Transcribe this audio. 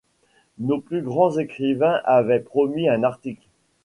Nos plus grands écrivains avaient promis un article.